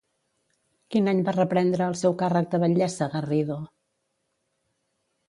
Quin any va reprendre el seu càrrec de batllessa, Garrido?